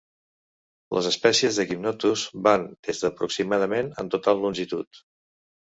Les espècies de "Gymnotus" van des d'aproximadament en total longitud.